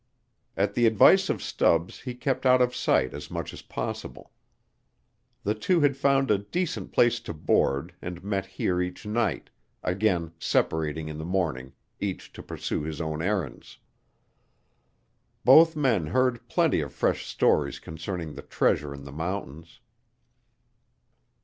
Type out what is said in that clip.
At the advice of Stubbs he kept out of sight as much as possible. The two had found a decent place to board and met here each night, again separating in the morning, each to pursue his own errands. Both men heard plenty of fresh stories concerning the treasure in the mountains.